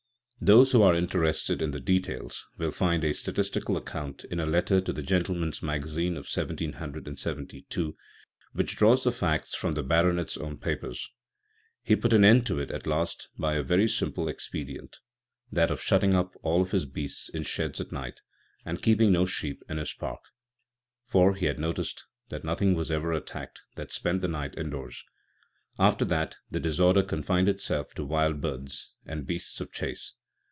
Those who are interested in the details will find a statistical account in a letter to, the Gentleman's Magazine of 1772, which draws the facts from the Baronet's own papers. He put an end to it at last by a very simple expedient, that of shutting up all his beasts in sheds at night, and keeping no sheep in his park. For he had noticed that nothing was ever attacked that spent the night indoors. After that the disorder confined itself to wild birds, and beasts of chase.